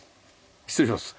失礼します。